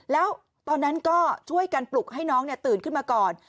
แล้วตอนนั้นก็ช่วยกันปลุกให้น้องตื่นขึ้นมาก่อน